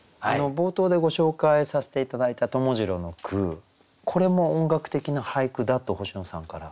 冒頭でご紹介させて頂いた友次郎の句これも音楽的な俳句だと星野さんから。